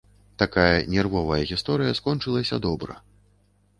Такая нервовая гісторыя скончылася добра.